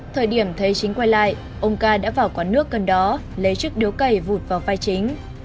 thời điểm thấy chính quay lại ông ca đã vào quán nước gần đó lấy chiếc điếu cày vụt vào vai chính